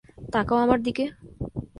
তাকাও আমার দিকে।